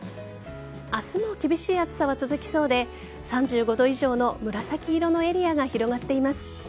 明日も厳しい暑さは続きそうで３５度以上の紫色のエリアが広がっています。